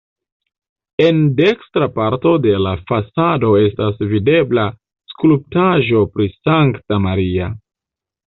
En dekstra parto de la fasado estas videbla skulptaĵo pri Sankta Maria.